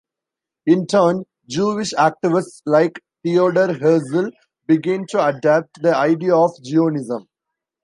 In turn, Jewish activists like Theodor Herzl began to adopt the idea of Zionism.